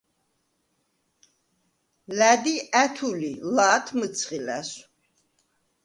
ლა̈დი ა̈თუ ლი, ლა̄თ მჷცხი ლა̈სვ.